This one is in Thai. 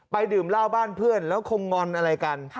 ดื่มเหล้าบ้านเพื่อนแล้วคงงอนอะไรกัน